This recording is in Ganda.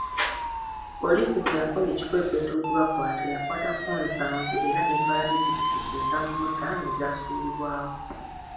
Poliisi bwe yakola ekikwekweto okubakwata, yakwatako nsanvu era n'etwala ne Ppikipiki nsanvu mu taano ezaasuulibwawo